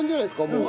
もう。